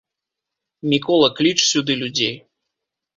Мікола, кліч сюды людзей?